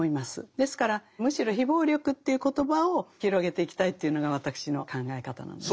ですからむしろ非暴力という言葉を広げていきたいというのが私の考え方なんです。